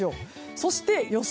そして予想